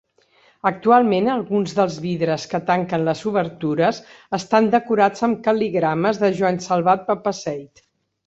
Actualment alguns dels vidres que tanquen les obertures estan decorats amb cal·ligrames de Joan Salvat-Papasseit.